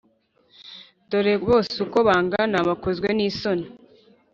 dore bose uko bangana, bakozwe n’isoni,